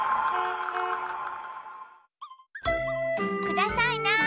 くださいな。